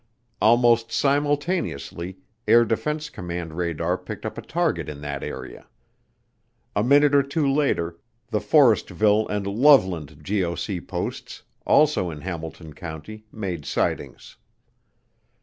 Almost simultaneously, Air Defense Command radar picked up a target in that area. A minute or two later the Forestville and Loveland GOC posts, also in Hamilton County, made sightings.